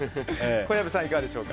小籔さん、いかがですか。